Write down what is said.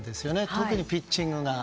特にピッチングが。